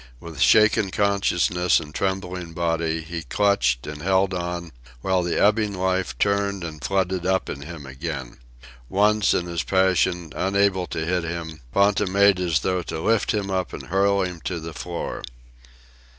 With shaken consciousness and trembling body, he clutched and held on, while the ebbing life turned and flooded up in him again. Once, in his passion, unable to hit him, Ponta made as though to lift him up and hurl him to the floor.